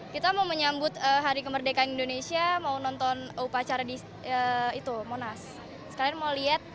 kita mau menyambut hari kemerdekaan indonesia mau nonton upacara di itu monas kalian mau lihat